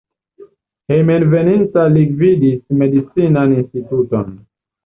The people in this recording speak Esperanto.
Hejmenveninta li gvidis medicinan instituton.